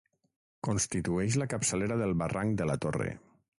Constitueix la capçalera del barranc de la Torre.